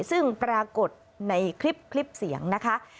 ซึ่งปรากฏในคลิปเสียงนะคะ